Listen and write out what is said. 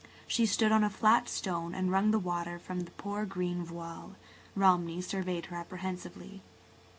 She stood on a flat stone and wrung the water from the poor green voile. Romney surveyed her apprehensively.